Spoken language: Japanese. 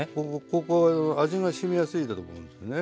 ここ味がしみやすいんだと思うんですね。